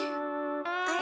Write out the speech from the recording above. あれ？